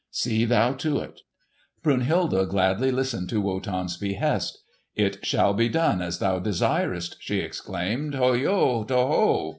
See thou to it!" Brunhilde gladly listened to Wotan's behest. "It shall be done as thou desirest!" she exclaimed. "Hoyo to ho!"